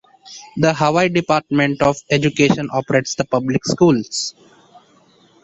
The Hawaii Department of Education operates the public schools.